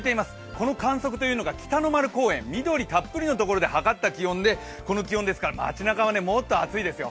この観測というのが北の丸公園緑たっぷりのところで測った気温でこの気温ですから、街なかはもっと暑いですよ。